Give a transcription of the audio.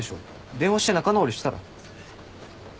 電話して仲直りしたら？